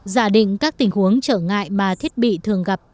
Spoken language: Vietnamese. giả định các tình huống trở ngại mà thiết bị thường gặp